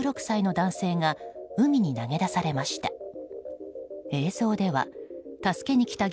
６４歳と５６歳の男性が海に投げ出されました。